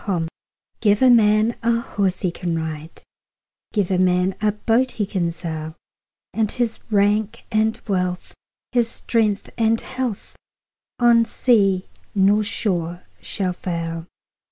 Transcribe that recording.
Gifts GIVE a man a horse he can ride, Give a man a boat he can sail; And his rank and wealth, his strength and health, On sea nor shore shall fail.